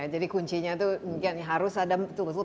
jadi kuncinya itu harus ada